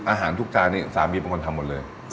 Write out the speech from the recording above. อาหารทุกจานนี้สามีเป็นคนทำหมดเลย